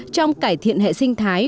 trong cải thiện hệ sinh thái